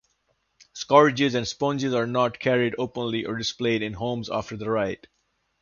Scourges and sponges are not carried openly or displayed in homes after the rite.